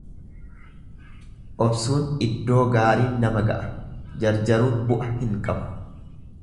Obsuun iddoo gaariin nama ga'a jarjaruun bu'a hin qabu.